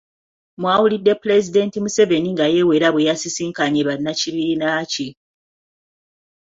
Mwawulidde Pulezidenti Museveni nga yeewera bwe yasisinkanye bannakibiina kye